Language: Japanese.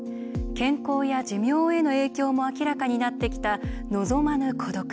健康や寿命への影響も明らかになってきた望まぬ孤独。